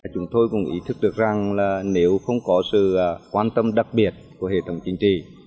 chúng tôi cũng ý thức được rằng là nếu không có sự quan tâm đặc biệt của hệ thống chính trị